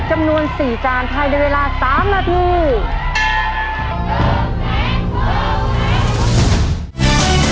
จำนวน๔จานภายในเวลา๓นาที